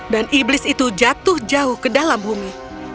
dan iblis itu jatuh jauh ke dalam bumi